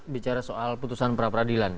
bicara soal putusan peradilan